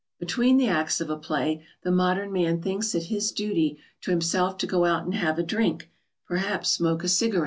Between the acts of a play the modern man thinks it his duty to himself to go out and have a drink, perhaps smoke a cigarette.